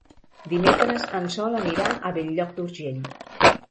Dimecres en Sol anirà a Bell-lloc d'Urgell.